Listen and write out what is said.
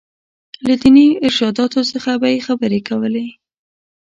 له ديني ارشاداتو څخه به یې خبرې کولې.